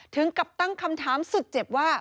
ถึงกับตั้งคำถามสุดเจ็บว่า